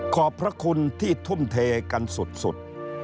ขอบพระคุณที่ทุ่มเทกันสุด